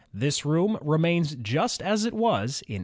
This room remains just as it was in 181 9.